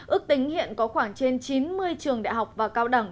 ước tính hiện có khoảng trên chín mươi trường đại học và cao đẳng